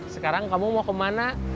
sekarang kamu mau kemana